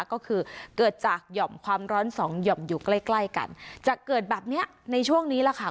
ก็คือเกิดจากหย่อมความร้อนสองหย่อมอยู่ใกล้ใกล้กันจะเกิดแบบเนี้ยในช่วงนี้แหละค่ะ